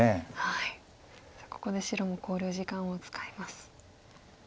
さあここで白も考慮時間を使います。